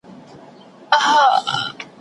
مغولو به هره ورځ نوې سیمي نیولې.